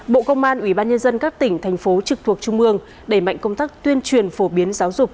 bộ công an ủy ban nhân dân các tỉnh thành phố trực thuộc trung mương đẩy mạnh công tác tuyên truyền phổ biến giáo dục